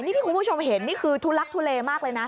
นี่ที่คุณผู้ชมเห็นนี่คือทุลักทุเลมากเลยนะ